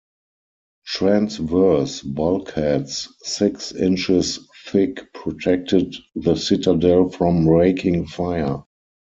Transverse bulkheads six inches thick protected the citadel from raking fire.